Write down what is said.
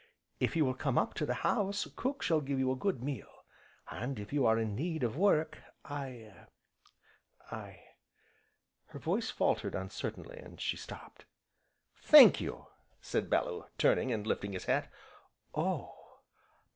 If you will come up to the house cook shall give you a good meal, and, if you are in need of work, I I " her voice faltered uncertainly, and she stopped. "Thank you!" said Bellew, turning and lifting his hat. "Oh!